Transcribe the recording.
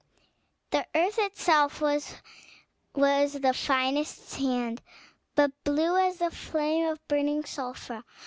The earth itself was the finest sand, but blue as the flame of burning sulphur.